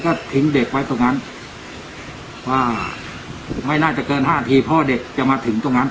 ก็ทิ้งเด็กไว้ตรงนั้นอ่าไม่น่าจะเกินห้านาทีพ่อเด็กจะมาถึงตรงนั้น